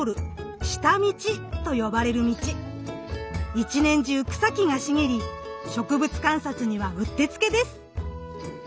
１年中草木が茂り植物観察にはうってつけです。